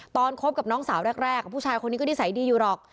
คบกับน้องสาวแรกผู้ชายคนนี้ก็นิสัยดีอยู่หรอก